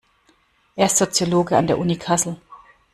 Er ist Soziologe an der Uni Kassel.